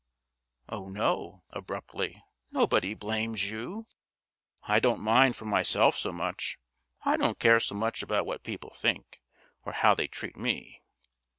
"Oh no" (abruptly); "nobody blames you." "I don't mind for myself so much; I don't care so much about what people think, or how they treat me."